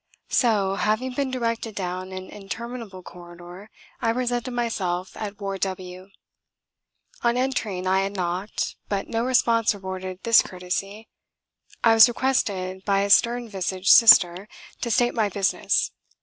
So, having been directed down an interminable corridor, I presented myself at Ward W. On entering I had knocked, but no response rewarded this courtesy I was requested, by a stern visaged Sister, to state my business.